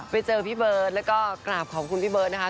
ไปเจอพี่เบิร์ตแล้วก็กราบขอบคุณพี่เบิร์ตนะคะ